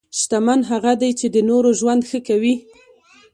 شتمن هغه دی چې د نورو ژوند ښه کوي.